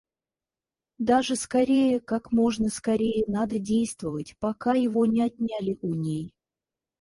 Даже скорее, как можно скорее надо действовать, пока его не отняли у ней.